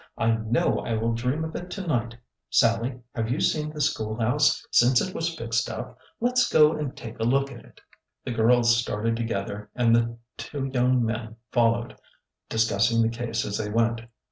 I know I will dream of it to night. Sallie, have you seen the school house since it was fixed up ? Let 's go and take a look at it." The girls started together and the two young men fol lowed, discussing the case as they went.